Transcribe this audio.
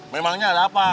memangnya ada apa